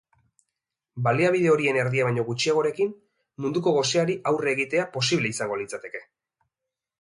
Baliabide horien erdia baino gutxiagorekin, munduko goseari aurre egitea posible izango litzateke.